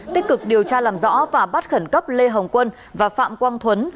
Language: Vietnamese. tích cực điều tra làm rõ và bắt khẩn cấp lê hồng quân và phạm quang thuấn